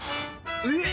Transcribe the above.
えっ！